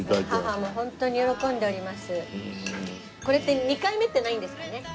これって２回目ってないんですかね？